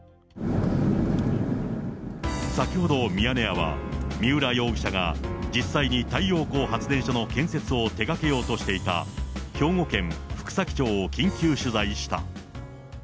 先ほどミヤネ屋は、三浦容疑者が実際に太陽光発電所の建設を手がけようとしていた兵庫県福崎町を緊急取材した。